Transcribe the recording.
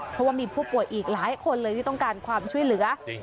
เพราะว่ามีผู้ป่วยอีกหลายคนเลยที่ต้องการความช่วยเหลือ